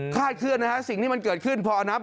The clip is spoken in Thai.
คาดเคลื่อนนะครับสิ่งที่มันเกิดขึ้น